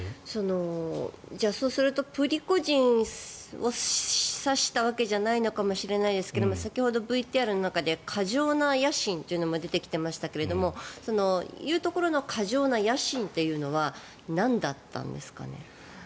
じゃあそうするとプリゴジン氏を指したわけじゃないかもしれないですが先ほど、ＶＴＲの中で過剰な野心というのが出てきていましたが言うところの過剰な野心というのはなんだったんですかね。